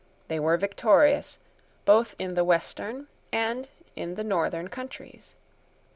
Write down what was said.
They were victorious, both in the western and in the northern counties.